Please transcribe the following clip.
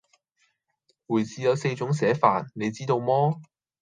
回字有四樣寫法，你知道麼？